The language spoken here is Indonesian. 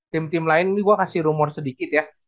tim tim lain ini gue kasih rumor sedikit ya